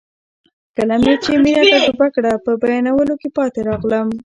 کله مې چې مینه تجربه کړه په بیانولو کې پاتې راغلم.